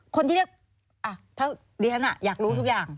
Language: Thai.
คนที่เรียกถ้าดิฉันอยากรู้ทุกอย่าง